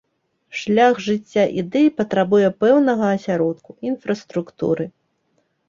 Шлях жыцця ідэй патрабуе пэўнага асяродку, інфраструктуры.